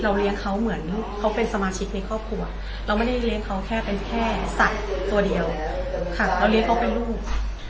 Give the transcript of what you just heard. เลี้ยงเขาเหมือนเขาเป็นสมาชิกในครอบครัวเราไม่ได้เลี้ยงเขาแค่เป็นแค่สัตว์ตัวเดียวค่ะเราเลี้ยงเขาเป็นลูกค่ะ